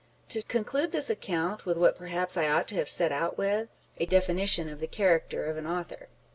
To conclude this account with what perhaps I ought to have set out with, â€" a definition of the character of an author.